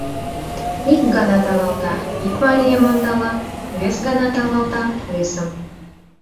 Ик гана тавалта — ик марийым ондала, вес гана тавалта — весым...